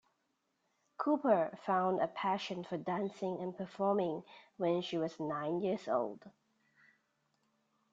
Cooper found a passion for dancing and performing when she was nine years old.